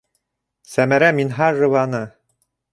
Сәмәрә Минһажеваны...